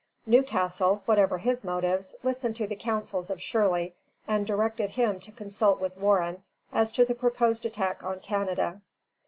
Newcastle, whatever his motives, listened to the counsels of Shirley, and directed him to consult with Warren as to the proposed attack on Canada.